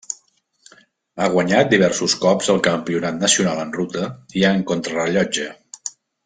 Ha guanyat diversos cops el campionat nacional en ruta i en contrarellotge.